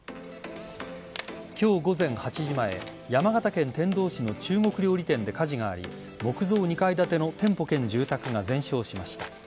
今日午前８時前、山形県天童市の中国料理店で火事があり木造２階建ての店舗兼住宅が全焼しました。